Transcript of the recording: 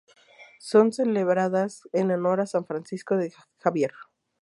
Son celebradas en honor a San Francisco Javier.